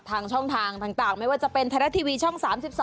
ทางช่องทางต่างไม่ว่าจะเป็นไทยรัฐทีวีช่อง๓๒